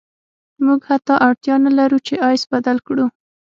موږ حتی اړتیا نلرو چې ایس بدل کړو